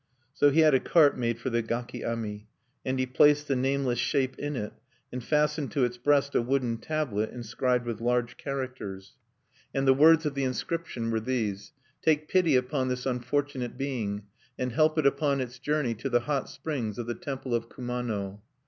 So he had a cart made for the gaki ami, and he placed the nameless shape in it, and fastened to its breast a wooden tablet, inscribed with large characters. And the words of the inscription were these: "Take pity upon this unfortunate being, and help it upon its journey to the hot springs of the temple of Kumano.